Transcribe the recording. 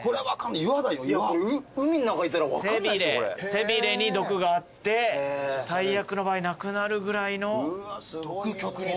背びれに毒があって最悪の場合亡くなるぐらいの。